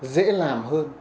dễ làm hơn